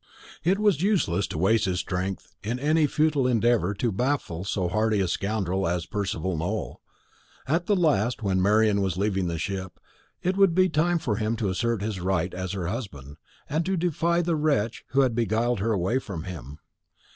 It was useless to waste his strength in any futile endeavour to baffle so hardy a scoundrel as Percival Nowell. At the last, when Marian was leaving the ship, it would be time for him to assert his right as her husband, and to defy the wretch who had beguiled her away from him.